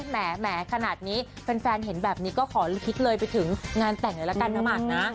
แหมขนาดนี้แฟนเห็นแบบนี้ก็ขอคิดเลยไปถึงงานแต่งเลยละกันนะหมากนะ